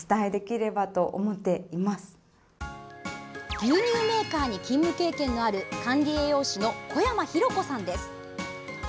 牛乳メーカーに勤務経験のある管理栄養士の小山浩子さんです。